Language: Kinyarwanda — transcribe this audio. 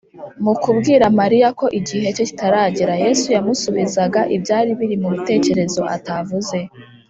Mu kubwira Mariya ko igihe cye kitaragera, Yesu yamusubizaga ibyari bimuri mu bitekerezo atavuze,